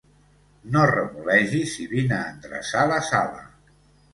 No remolegis i vine a endreçar la sala.